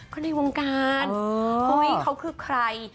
คนในวงการเฮ้ยเขาคือใคร